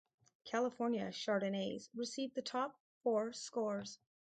California Chardonnays received the top four scores.